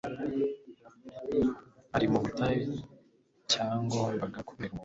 ari mu butayu cyagombaga kubera umuntu